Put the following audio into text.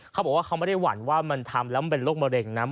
เขาบอกว่าเขาไม่ได้หวั่นว่ามันทำแล้วมันเป็นโรคมะเร็งนะ